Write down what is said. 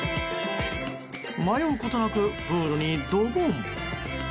迷うことなくプールにドボン。